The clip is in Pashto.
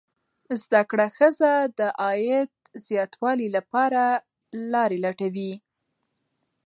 زده کړه ښځه د عاید زیاتوالي لپاره لارې لټوي.